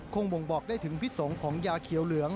บ่งบอกได้ถึงพิสงฆ์ของยาเขียวเหลือง